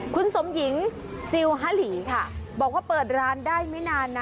คุณสมหญิงซิลฮาหลีค่ะบอกว่าเปิดร้านได้ไม่นานนะ